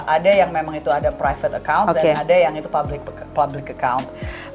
ada yang memang itu ada private account dan ada yang itu public account